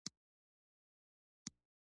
بیا یې تشریح کولی نه شم.